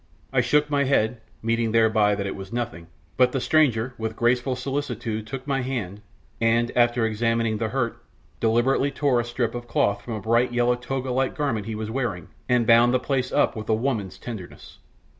I shook my head, meaning thereby that it was nothing, but the stranger with graceful solicitude took my hand, and, after examining the hurt, deliberately tore a strip of cloth from a bright yellow toga like garment he was wearing and bound the place up with a woman's tenderness.